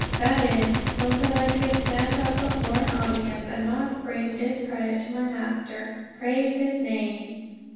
That is, so that I could stand up before an audience and not bring discredit to my Master. Praise his name!